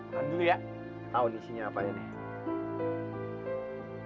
tahan dulu ya tau isinya apa aja nih